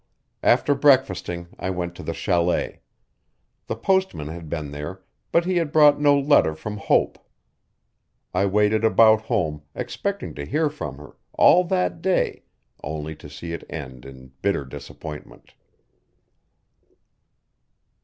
After breakfasting I went to the chalet. The postman had been there but he had brought no letter from Hope. I waited about home, expecting to hear from her, all that day, only to see it end in bitter disappointment.